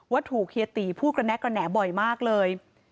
ถูกเฮียตีพูดกระแนะกระแหน่บ่อยมากเลย